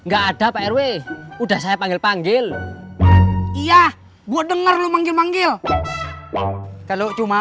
gak ada pak rw udah saya panggil panggil iya gue denger lu manggil manggil kalau cuma